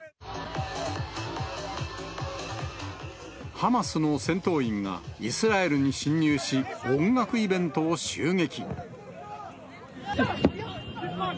ハマスの戦闘員がイスラエルに侵入し、音楽イベントを襲撃。